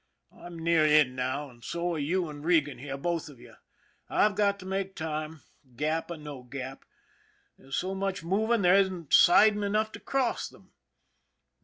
I'm near in now, and so are you and Regan here, both of you. I've got to make time, Gap or no Gap. There's so much moving there isn't siding enough to cross them."